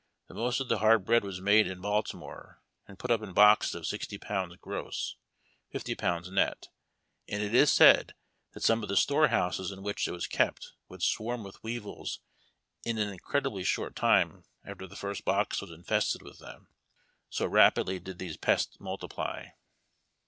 The most of the hard bread was made in Baltimore, and put up in boxes of sixty pounds gross, fift}^ pounds net ; and it is said that some of the storehouses in which it was kept would swarm with weevils in an incredibly short time after the first box was infested with them, so rapidly did these pests multiply.